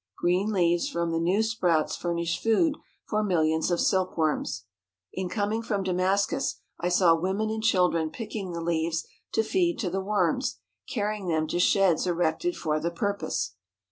Green leaves from the new sprouts furnish food for millions of silkworms. In coming from Damascus I saw women and children picking the leaves to feed to the worms, carrying them to sheds erected for the pur pose.